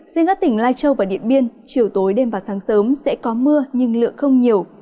riêng các tỉnh lai châu và điện biên chiều tối đêm và sáng sớm sẽ có mưa nhưng lượng không nhiều